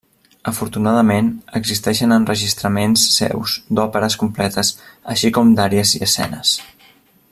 Afortunadament, existeixen enregistraments seus d'òperes completes així com d'àries i escenes.